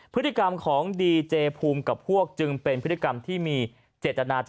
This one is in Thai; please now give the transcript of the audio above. พฤติกรรมของดีเจภูมิกับพวกจึงเป็นพฤติกรรมที่มีเจตนาจะ